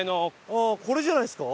ああこれじゃないですか？